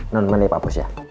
non money pak bos ya